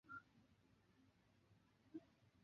蒂珀雷里。